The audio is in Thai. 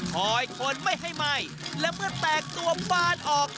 คอยคนไม่ให้ไหม้และเมื่อแตกตัวฟานออก